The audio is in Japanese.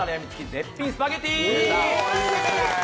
絶品スパゲティ。